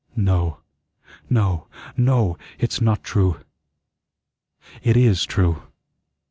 No, no, NO, it's not true. It IS true.